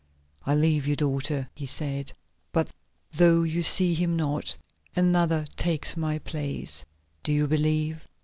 "I leave you, daughter," he said, "but though you see him not, another takes my place. Do you believe?"